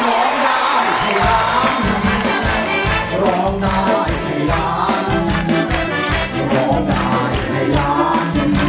ร้องได้ให้ร้าน